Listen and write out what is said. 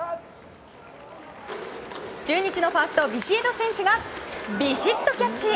中日のファーストビシエド選手がビシッとキャッチ。